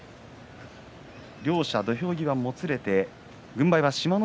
両者、土俵際もつれて軍配は志摩ノ